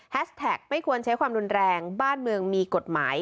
แท็กไม่ควรใช้ความรุนแรงบ้านเมืองมีกฎหมาย